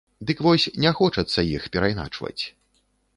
Дык вось, не хочацца іх перайначваць.